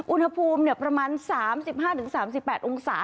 อุณหภูมิประมาณ๓๕๓๘องศา